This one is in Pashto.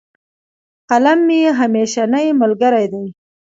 قلم مي همېشنی ملګری دی.